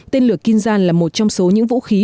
tên lửa kinzan là một trong số những vũ khí